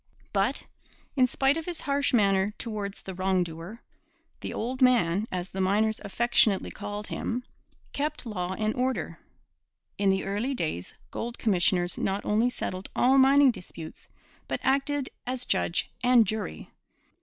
But, in spite of his harsh manner towards the wrong doer, 'the old man,' as the miners affectionately called him, kept law and order. In the early days gold commissioners not only settled all mining disputes, but acted as judge and jury.